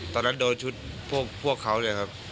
ตอนนั้นโดนชุดพวกเขาเลยครับ